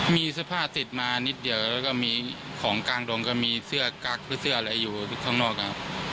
มีเสื้อผ้าติดมานิดเดียวแล้วก็มีของกลางดงก็มีเสื้อกั๊กหรือเสื้ออะไรอยู่ข้างนอกครับ